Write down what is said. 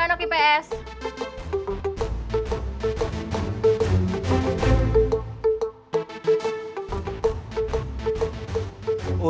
siapa yang mau ngejengkelin